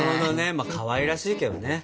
まあかわいらしいけどね。